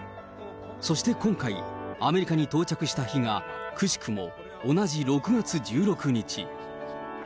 そして今回、アメリカに到着した日がくしくも同じ６月１６日。